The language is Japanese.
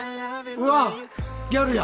うわっギャルや。